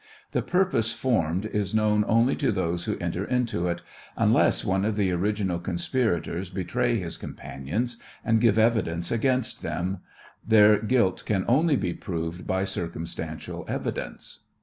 The purpose formed is known only to those who enter into it ; unless one of the original conspirators betray his companions, and give evidence against them, their guilt can only be proved by circumstantial evidence."